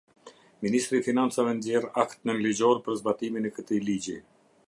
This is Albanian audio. Ministri i Financave nxjerr akt nënligjor për zbatimin e këtij ligji.